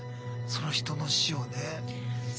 その人の死をね。